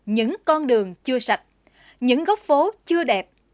những con đường chưa sạch những góc phố chưa đẹp